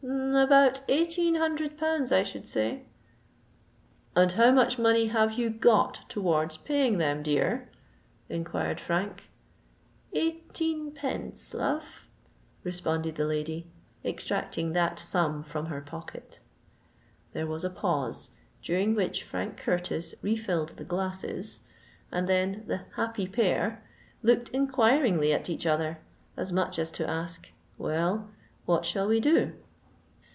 "About eighteen hundred pounds, I should say?" "And how much money have you got towards paying them, dear?" inquired Frank. "Eighteen pence, love," responded the lady, extracting that sum from her pocket. There was a pause, during which Frank Curtis refilled the glasses; and then the "happy pair" looked inquiringly at each other, as much as to ask, "Well, what shall we do?"